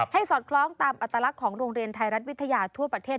สอดคล้องตามอัตลักษณ์ของโรงเรียนไทยรัฐวิทยาทั่วประเทศ